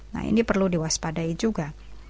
nah ini perlu diwaspadai juga